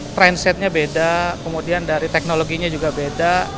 trend setnya beda kemudian dari teknologinya juga beda